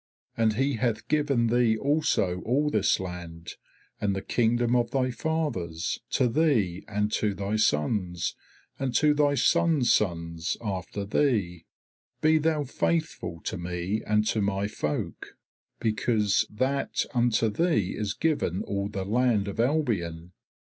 And He hath given thee also all this land and the Kingdom of thy fathers, to thee and to thy sons and to thy sons' sons after thee. Be thou faithful to me and to my folk, because that unto thee is given all the land of Albion.